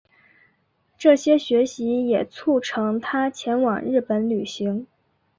这些学习也促成他前往日本旅行。